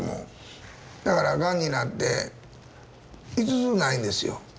だからがんになって５つないんですよ。